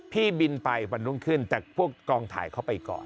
พี่บินไปวันรุ่งขึ้นแต่พวกกองถ่ายเข้าไปก่อน